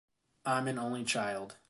I’m an only child